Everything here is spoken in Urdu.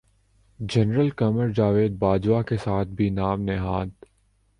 جنرل قمر جاوید باجوہ کے ساتھ بھی نام نہاد